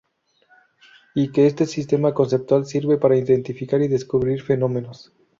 Y que este sistema conceptual sirve para identificar y describir fenómenos.